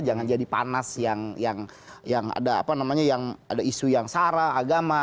jangan jadi panas yang ada apa namanya yang ada isu yang sara agama